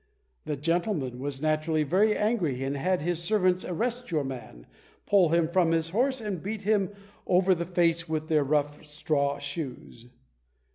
The gentleman was naturally very angry and had his servants arrest your man, pull him from his horse, and beat him over the face with their rough straw shoes."